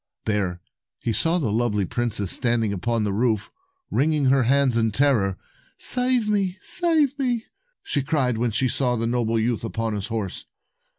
There he saw the lovely princess standing upon the roof, wringing her hands in terror. "Save me! Save me!" she cried when she saw the noble youth upon his horse.